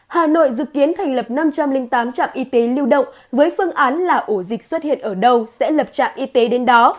hà nội dự kiến thành lập năm trăm linh tám trạm y tế lưu động với phương án là ổ dịch xuất hiện ở đâu sẽ lập trạm y tế đến đó